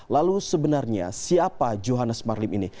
lalu sebenarnya siapa johannes marlim ini